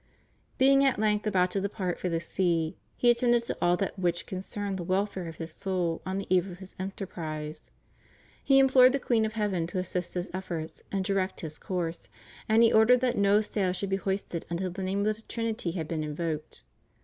Being at length about to depart for the sea, he attended to all that which concerned the wel fare of his soul on the eve of his enterprise. He implored the Queen of heaven to assist his efforts and direct his course; and he ordered that no sail should be hoisted until the name of the Trinity had been invoked.